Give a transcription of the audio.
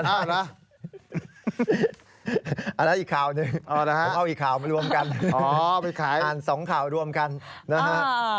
เอาละเอาละอีกข่าวนึงเอาอีกข่าวมารวมกันอ๋อไปขายอ่านสองข่าวรวมกันนะฮะ